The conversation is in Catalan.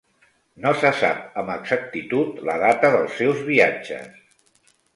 No se sap amb exactitud la data dels seus viatges.